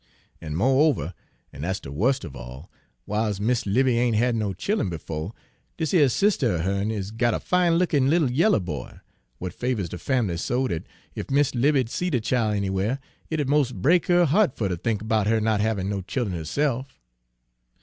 An' mo'over, an' dat's de wust of all, w'iles Mis' 'Livy ain' had no child'en befo', dis yer sister er her'n is got a fine lookin' little yaller boy, w'at favors de fam'ly so dat ef Mis' 'Livy'd see de chile anywhere, it'd mos' break her heart fer ter think 'bout her not havin' no child'en herse'f.